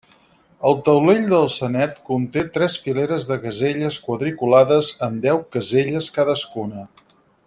El taulell del Senet conté tres fileres de caselles quadriculades amb deu caselles cadascuna.